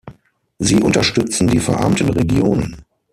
Sie unterstützen die verarmten Regionen.